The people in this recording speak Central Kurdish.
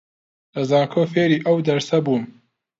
لە زانکۆ فێری ئەو دەرسە بووم